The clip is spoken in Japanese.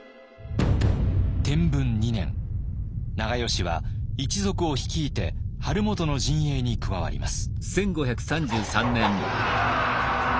長慶は一族を率いて晴元の陣営に加わります。